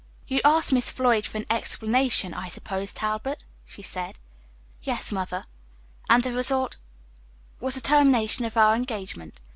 "You asked Miss Floyd for an explanation, I suppose, Talbot?" she said. "Yes, mother." "And the result " "Was the termination of our engagement.